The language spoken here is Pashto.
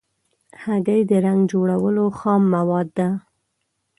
هګۍ د رنګ جوړولو خام مواد ده.